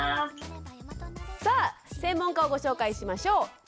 さあ専門家をご紹介しましょう。